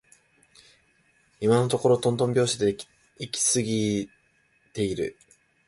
今のところとんとん拍子で行き過ぎている